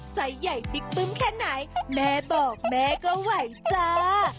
ใส่ใหญ่บิ๊กปึ้มแค่ไหนแม่บอกแม่ก็ไหวจ้า